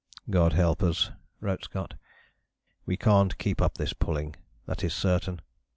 "God help us," wrote Scott, "we can't keep up this pulling, that is certain.